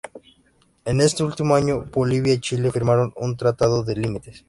En este último año, Bolivia y Chile firmaron un tratado de límites.